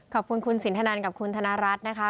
ขอบคุณคุณสินทนันกับคุณธนรัฐนะคะ